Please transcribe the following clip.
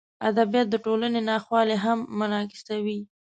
ادبیات د ټولنې ناخوالې هم منعکسوي.